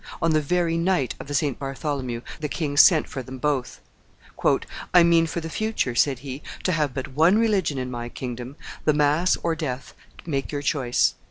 On the very night of the St. Bartholomew, the king sent for them both. "I mean for the future," said he, "to have but one religion in my kingdom; the mass or death; make your choice."